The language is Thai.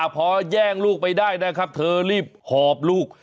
พอแย่งลูกไปได้นะครับเธอรีบหอบลูก